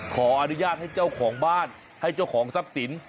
ขออนุญาตให้เจ้าของบ้านให้เจ้าของทรัพย์สิน